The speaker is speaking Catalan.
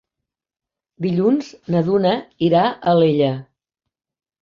Dilluns na Duna irà a Alella.